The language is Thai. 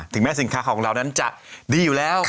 แม้สินค้าของเรานั้นจะดีอยู่แล้ว